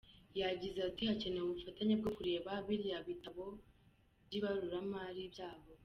Yagize ati “Hakenewe ubufatanye bwo kureba biriya bitabo by’ibaruramari byabo.